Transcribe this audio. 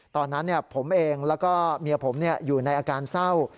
ตอนนั้นผมเองแล้วก็เมียผมอยู่ในอาการเศร้า